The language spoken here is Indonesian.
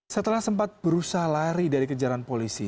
setelah sempat berusaha lari dari kejaran polisi